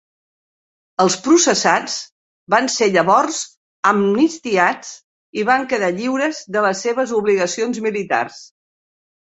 Els processats van ser llavors amnistiats i van quedar lliures de les seves obligacions militars.